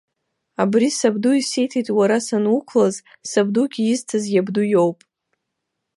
Абри сабду исиҭеит уара сануқәлаз, сабдугьы изҭаз иабду иоуп.